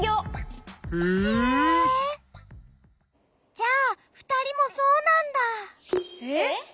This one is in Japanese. じゃあふたりもそうなんだ。えっ！？